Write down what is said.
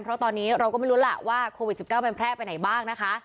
เพราะตอนนี้เราก็ไม่รู้ล่ะว่าโควิด๑๙มันแพร่ไปไหนบ้างนะคะ